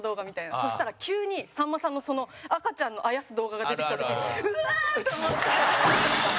そしたら、急に、さんまさんの赤ちゃんのあやす動画が出てきた時にうわー！と思って。